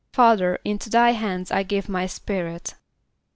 ="Father, into thy hands I give my spirit."